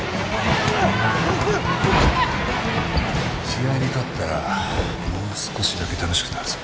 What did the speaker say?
試合に勝ったらもう少しだけ楽しくなるぞ。